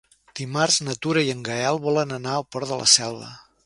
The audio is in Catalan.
Dimarts na Tura i en Gaël volen anar al Port de la Selva.